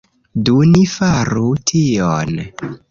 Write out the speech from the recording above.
Do, ni faru tion!